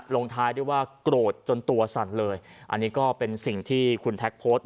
ลงท้ายด้วยว่าโกรธจนตัวสั่นเลยอันนี้ก็เป็นสิ่งที่คุณแท็กโพสต์